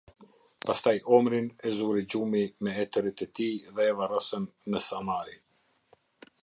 Pastaj Omrin e zuri gjumi me etërit e tij dhe e varrosën në Samari.